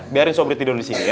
biarin sobri tidur disini ya